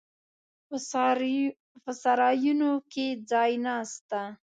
په سرایونو کې ځای نسته.